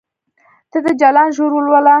ته د جلان ژور ولوله